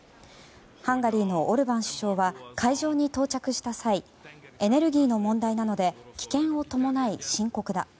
ハンガリーのオルバン首相は会場に到着した際エネルギーの問題なので危険を伴い深刻だ。